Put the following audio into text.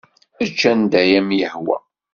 Ečč anda ay am-yehwa.